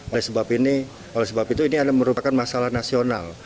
oleh sebab itu ini merupakan masalah nasional